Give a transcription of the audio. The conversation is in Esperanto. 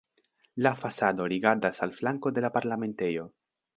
La fasado rigardas al flanko de la Parlamentejo.